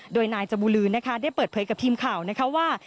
โดยนายจบูลือนะคะได้เปิดเผยกับทีมข่าวนะคะว่า